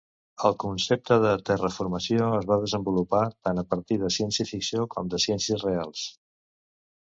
El concepte de "terraformació" es va desenvolupar tant a partir de ciència ficció com de ciències reals.